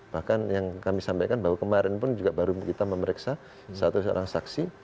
bahkan yang kami sampaikan bahwa kemarin pun juga baru kita memeriksa status orang saksi